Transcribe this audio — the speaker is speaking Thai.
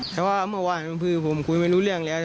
แต่ว่าเมื่อวานคือผมคุยไม่รู้เรื่องแล้ว